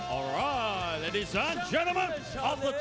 เอาล่ะเจ้าหลายท่านต้นไปกันต่อ๓รอวิดีโอ